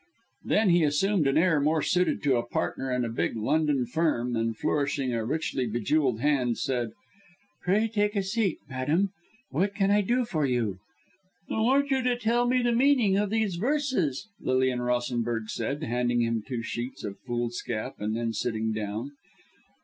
Then he assumed an air more suited to a partner in a big London firm, and flourishing a richly bejewelled hand, said "Pray take a seat, madam. What can I do for you?" "I want you to tell me the meaning of these verses," Lilian Rosenberg said, handing him two sheets of foolscap and then sitting down.